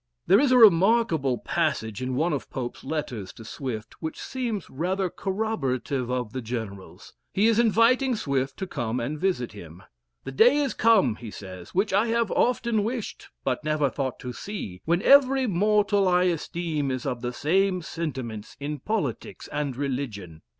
There is a remarkable passage in one of Pope's letters to Swift, which seems rather corroborative of the General's. He is inviting Swift to come and visit him. "The day is come," he says, "which I have often wished, but never thought to see, when every mortal I esteem is of the same sentiments in politics and religion." Dr.